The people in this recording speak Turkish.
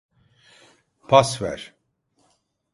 Pas ver!